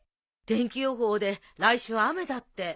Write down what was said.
天気予報で来週雨だって。